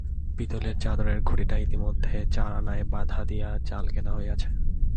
পিতলের চাদরের ঘটিটা ইতিমধ্যে চার আনায় বাঁধা দিয়া চাল কেনা হইয়াছে।